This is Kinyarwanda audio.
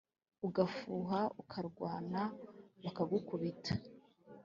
ugafuha ukarwana bakagukubita